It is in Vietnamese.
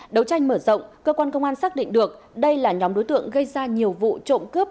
đấu tranh mở rộng cơ quan công an xác định được đây là nhóm đối tượng gây ra nhiều vụ trộm cướp